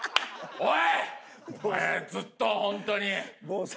おい！